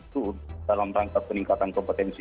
dalam rangka peningkatan kompetensi